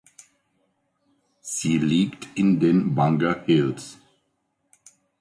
Sie liegt in den Bunger Hills.